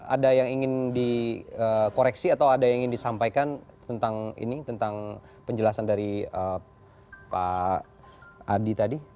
ada yang ingin dikoreksi atau ada yang ingin disampaikan tentang ini tentang penjelasan dari pak adi tadi